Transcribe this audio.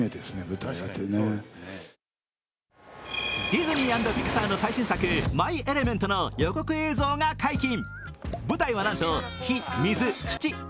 ディズニー＆ピクサーの最新作「マイ・エレメント」の予告映像が解禁。